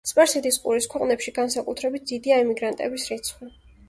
სპარსეთის ყურის ქვეყნებში, განსაკუთრებით დიდია ემიგრანტების რიცხვი.